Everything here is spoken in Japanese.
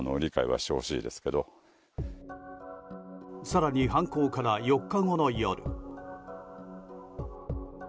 更に犯行から４日後の夜。